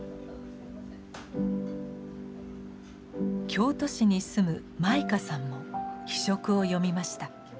京都市に住む舞花さんも「非色」を読みました。